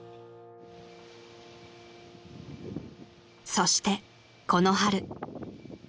［そしてこの春］